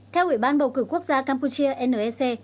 theo ủy ban bầu cử quốc gia campuchia nec